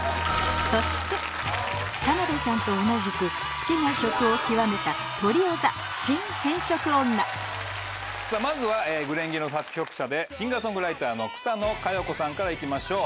田辺さんと同じく好きな食を極めたまずは『紅蓮華』の作曲者でシンガー・ソングライターの草野華余子さんから行きましょう。